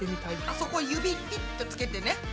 あそこ指ピッとつけてね。